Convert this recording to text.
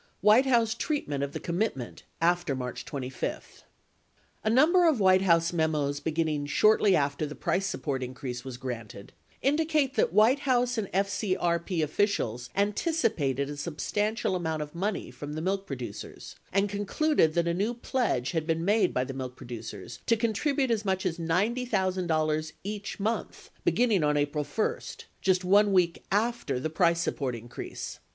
WHITE HOUSE TREATMENT OF THE COMMITMENT AFTER MARCH 2 5 A number of White House memos beginning shortly after the price support increase was granted indicate that White House and FCKP officials anticipated a substantial amount of money from the milk producers and concluded that a new pledge had been made by the milk producers to contribute as much as $90,000 each month begin ning on April 1 — just 1 week after the price support increase 1